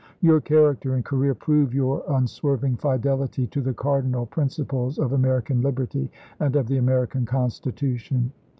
Your character and career prove your un swerving fidelity to the cardinal principles of Amer ican liberty and of the American Constitution.